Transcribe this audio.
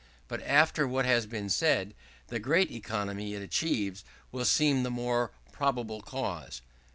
But after what has been said, the great economy it achieves will seem the more probable cause.